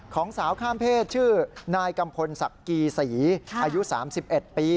ของสาวข้ามเพศชื่อนายกัมพลศักดิ์กีศรีอายุ๓๑ปี